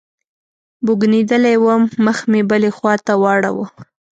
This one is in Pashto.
بوږنېدلى وم مخ مې بلې خوا ته واړاوه.